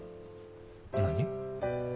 何？